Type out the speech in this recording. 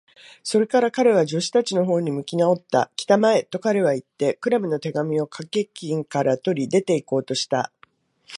それから彼は、助手たちのほうに向きなおった。「きたまえ！」と、彼はいって、クラムの手紙をかけ金から取り、出ていこうとした。